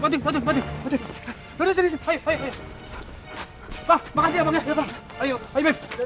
terima kasih bang ya